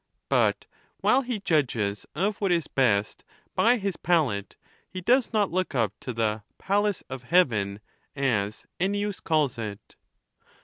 But while he judges of what is best by his palate, he does not look up to the " palace of heaven," as Ennins calls it.